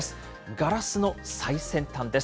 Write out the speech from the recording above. ガラスの最先端です。